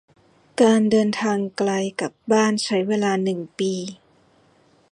การเดินทางไกลกลับบ้านใช้เวลาหนึ่งปี